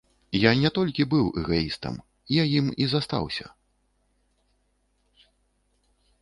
Я не толькі быў эгаістам, я ім і застаўся.